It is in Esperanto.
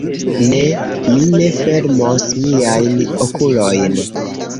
Ne... mi ne fermos miajn okulojn...